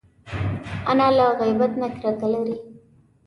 انا له غیبت نه کرکه لري